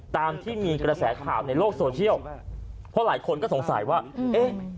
ตามที่มีกระแสข่าวในโลกโซเชียลเพราะหลายคนก็สงสัยว่าเอ๊ะ